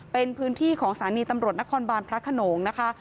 เป็นพื้นที่ของสถานีตำรวจนครบานพระขนงนะคะ